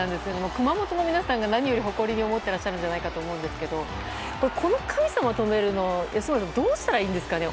熊本の皆さんが何より誇りに思っていらっしゃるんじゃないかと思うんですけどこの神様を止めるにはどうしたらいいんでしょうかね。